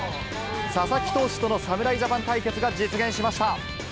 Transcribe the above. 佐々木投手との侍ジャパン対決が実現しました。